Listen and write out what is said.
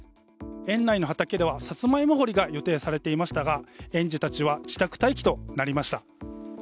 園内の畑ではサツマイモ掘りが予定されていましたが園児たちは自宅待機となりました。